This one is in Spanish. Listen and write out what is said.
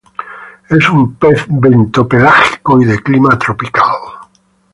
Es un pez bentopelágico y de clima tropical.